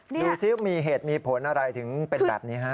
ดูสิมีเหตุมีผลอะไรถึงเป็นแบบนี้ฮะ